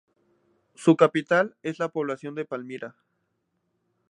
Su capital es la población de Palmira.